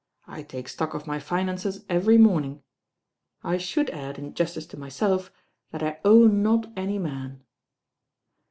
"I take stock of my finances every morning. I should add, m justice to myself, that I owe not any man."